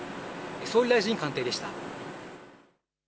総理大臣官邸でした。